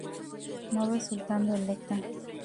No resultando electa.